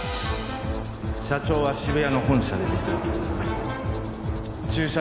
社長は渋谷の本社で自殺。